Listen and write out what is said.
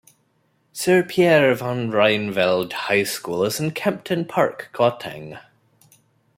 Sir Pierre van Ryneveld High School is in Kempton Park, Gauteng.